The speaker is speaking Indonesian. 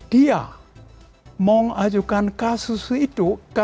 dia mengajukan kasus itu di amerika serikat